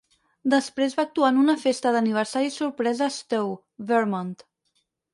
Després va actuar en una festa d'aniversari sorpresa a Stowe, Vermont.